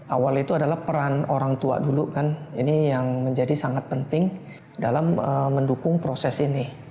awal itu adalah peran orang tua dulu kan ini yang menjadi sangat penting dalam mendukung proses ini